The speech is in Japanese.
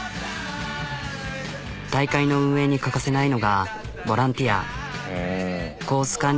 大会の運営に欠かせないのがボランティア。コース